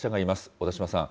小田島さん。